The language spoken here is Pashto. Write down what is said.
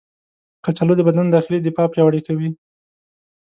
کچالو د بدن داخلي دفاع پیاوړې کوي.